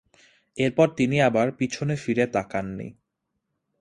এরপর তিনি আর পিছনে ফিরে তাকাননি।